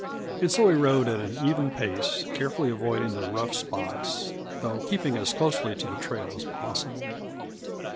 And so he rode at an even pace, carefully avoiding the rough spots, though keeping as closely to the trail as possible.